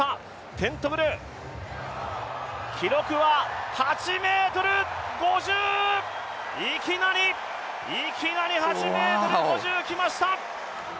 テントグル、記録は８ｍ５０、いきなり８ｍ５０きました。